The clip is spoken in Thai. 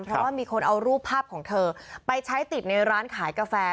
เพราะว่ามีคนเอารูปภาพของเธอไปใช้ติดในร้านขายกาแฟ